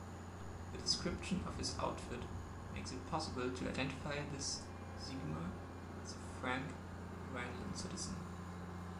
The description of his outfit makes it possible to identify this Sigemer as a franc Rhineland citizen.